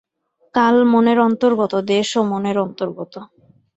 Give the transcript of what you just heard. কাল মনের অন্তর্গত, দেশও মনের অন্তর্গত।